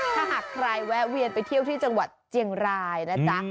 ถ้าหากใครแวะเวียนไปเที่ยวที่จังหวัดเจียงรายนะจ๊ะ